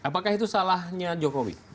apakah itu salahnya jokowi